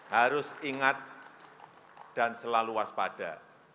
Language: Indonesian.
harus ingat dan selalu waspada